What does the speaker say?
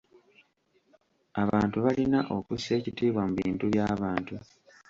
Abantu balina okussa ekitiibwa mu bintu by'abantu.